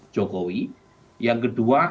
jokowi yang kedua